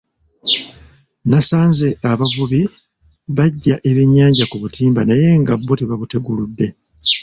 Nasanze abavubi baggya ebyennyanja ku butimba naye nga bw'o tebabuteguludde.